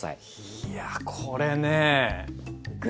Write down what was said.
いやこれね。